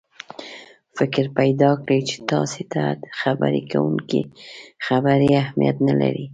فکر پیدا کړي چې تاسې ته د خبرې کوونکي خبرې اهمیت نه لري.